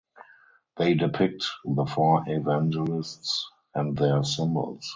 They depict the Four Evangelists and their symbols.